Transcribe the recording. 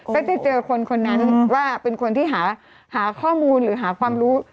ก็จะเจอคนคนนั้นว่าเป็นคนที่หาข้อมูลหรือหาความรู้